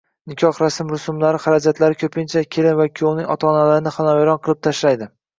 Nikoh rasm-rusumlari xarajatlari koʻpincha kelin va kuyovning ota-onalarini xonavayron qilib tashlaydi